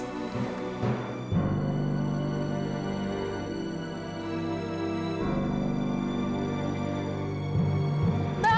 aku mau pergi